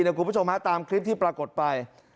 คุณผู้ชมฮะตามคลิปที่ปรากฏไป